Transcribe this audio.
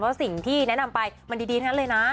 เพราะสิ่งที่แนะนำไปมันดีเลยนะ